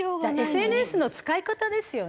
ＳＮＳの使い方ですよね。